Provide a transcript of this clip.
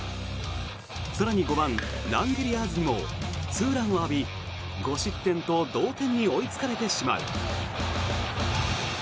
更に５番、ランゲリアーズにもツーランを浴び５失点と同点に追いつかれてしまう。